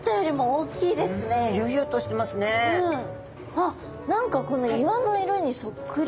あっ何かこの岩の色にそっくり！